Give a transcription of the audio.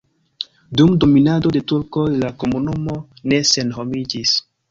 Dum dominado de turkoj la komunumo ne senhomiĝis.